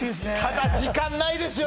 ただ時間ないですよ